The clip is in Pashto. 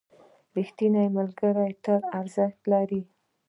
ریښتیني ملګري تل ارزښت لري.